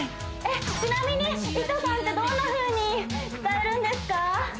ちなみにいとさんってどんなふうに伝えるんですか？